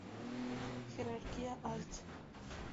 Jerarquía alt.